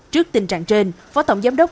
trước tình trạng trên phó tổng giám đốc